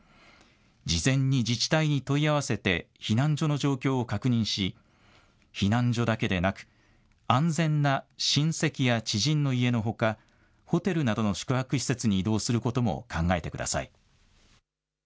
事前に自治体に問い合わせて、避難所の状況を確認し、避難所だけでなく、安全な親戚や知人の家のほか、ホテルなどの宿泊施設に移動することも考えてください。